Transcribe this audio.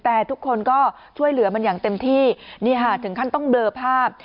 แต่ทุกคนก็ช่วยเหลือมันอย่างเต็มที่นี่ค่ะถึงขั้นต้องเบลอภาพ